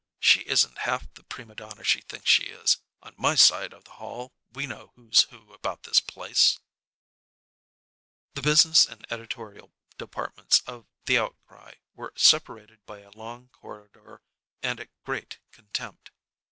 She isn't half the prima donna she thinks she is. On my side of the hall we know who's who about this place." The business and editorial departments of "The Outcry" were separated by a long corridor and a great contempt.